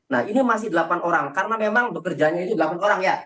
nah ini masih delapan orang karena memang bekerjanya itu delapan orang ya